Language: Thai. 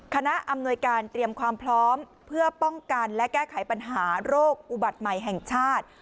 อำนวยการเตรียมความพร้อมเพื่อป้องกันและแก้ไขปัญหาโรคอุบัติใหม่แห่งชาติ